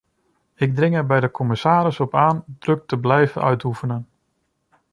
Ik dring er bij de commissaris op aan druk te blijven uitoefenen.